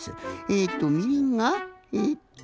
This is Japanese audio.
えとみりんがえと。